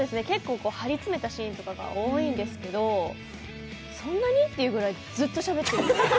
結構、張りつめたシーンとかが多いんですけどそんなに？というぐらいずっとしゃべってる。